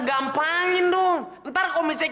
gampangin dong ntar kalau misalnya